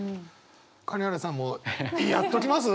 金原さんもやっときます？